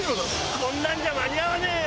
こんなんじゃ間に合わねえよ！